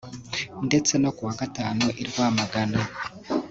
ndetse no ku wa Gatanu i Rwamagana